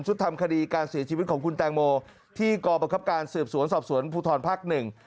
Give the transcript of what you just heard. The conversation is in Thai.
ชุดธรรมคดีการเสียชีวิตของคุณแตงโมที่กรบกรับการเสือบสวนสอบสวนภูทรภักดิ์๑